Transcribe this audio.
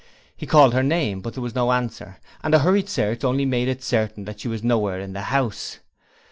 He called her name, but there was no answer, and a hurried search only made it certain that she was nowhere in the house.